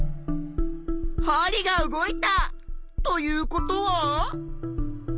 はりが動いた！ということは。